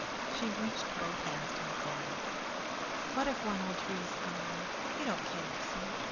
She reached both hands to McLean. "What if one old tree is gone? You don't care, sir?